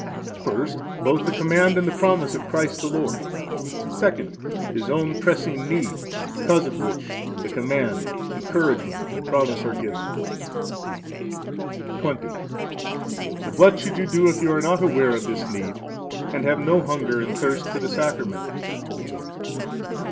First, both the command and the promise of Christ the Lord. Second, his own pressing need, because of which the command, encouragement, and promise are given. 20. But what should you do if you are not aware of this need and have no hunger and thirst for the Sacrament?